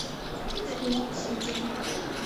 求其中